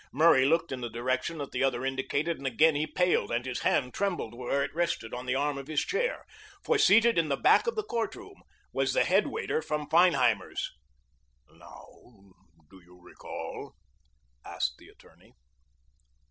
Murray looked in the direction that the other indicated and again he paled and his hand trembled where it rested on the arm of his chair, for seated in the back of the courtroom was the head waiter from Feinheimer's. "Now do you recall?" asked the attorney.